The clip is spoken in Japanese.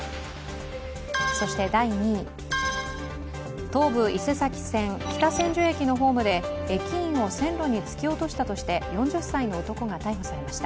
そして第２位、東武伊勢崎線北千住駅のホームで駅員を線路に突き落としたとして４０歳の男が逮捕されました。